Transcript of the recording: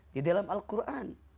di dalam al quran